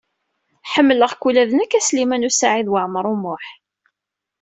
Ḥemmleɣ-k ula d nekk a Sliman U Saɛid Waɛmaṛ U Muḥ.